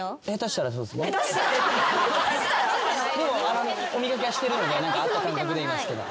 でもお見掛けはしてるので会った感覚でいますけど。